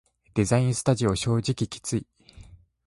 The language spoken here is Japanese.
デザインスタジオ正直きつい